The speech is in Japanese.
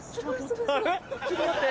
ちょっと待って。